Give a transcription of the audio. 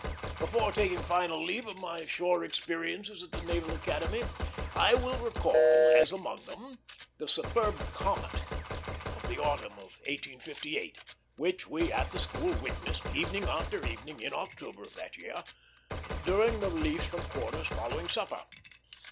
Before taking final leave of my shore experiences at the Naval Academy, I will recall, as among them, the superb comet of the autumn of 1858, which we at the school witnessed evening after evening in October of that year, during the release from quarters following supper.